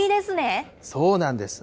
そうなんです。